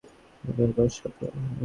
উনার বয়স কত?